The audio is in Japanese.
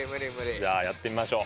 じゃあやってみましょう。